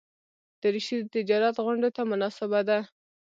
دریشي د تجارت غونډو ته مناسبه ده.